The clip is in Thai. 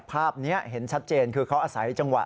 ภาพนี้เห็นชัดเจนคือเขาอาศัยจังหวะ